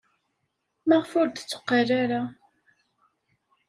Maɣef ur d-tetteqqal ara?